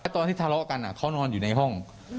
ตอนที่ทะเลาะกันเขานอนอยู่ในห้อง